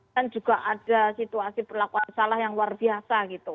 dan juga ada situasi perlakuan salah yang luar biasa